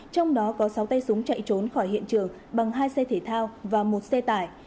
trong đó có sáu tay súng chạy trốn khỏi hiện trường bằng hai xe thể thao và một xe tải